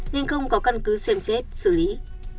nên không có căn cứ xem xét xử lý